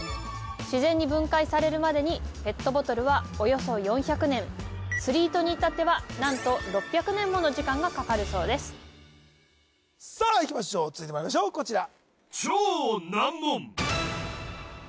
自然に分解されるまでにペットボトルはおよそ４００年つり糸に至っては何と６００年もの時間がかかるそうですさあいきましょう続いてまいりましょうこちら